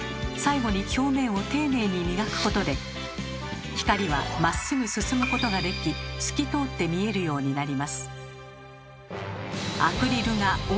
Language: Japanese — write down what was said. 最後に表面を丁寧に磨くことで光はまっすぐ進むことができ透き通って見えるようになります。